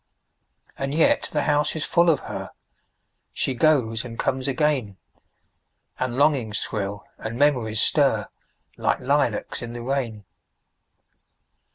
And yet the house is full of her; She goes and comes again; And longings thrill, and memories stir, Like lilacs in the rain.